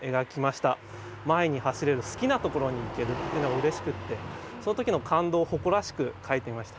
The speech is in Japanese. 前に走れる好きなところに行けるっていうのがうれしくってその時の感動を誇らしく書いてみました。